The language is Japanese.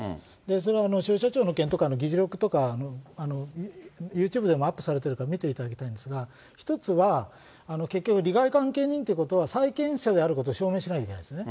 それは消費者庁の検討会の議事録とか、ユーチューブでもアップされてるから見ていただきたいんですが、一つは、結局、利害関係人ということは、債権者であることを証明しなきゃいけないんですね。